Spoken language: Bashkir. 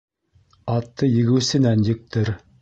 Атты егеүсенән ектер.